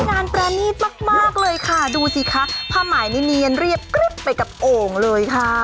งานประณีตมากเลยค่ะดูสิคะผ้าหมายนี่เนียนเรียบกรึ๊บไปกับโอ่งเลยค่ะ